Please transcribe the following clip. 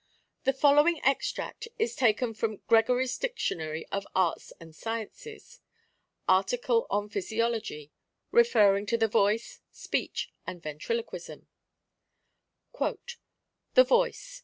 The following extract is taken from Gregory's Dictionary of Arts and Sciences. Article on Physiology, referring to the Voice, Speech, and Ventriloquism : "The Voice.